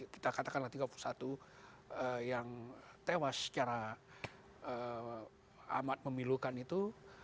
kita katakanlah tiga puluh satu yang tewas secara amat memilukan itu